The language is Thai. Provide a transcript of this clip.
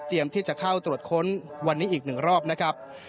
เตรียมที่จะเข้าตรวจค้นวันนี้อีก๑รอบนะครับ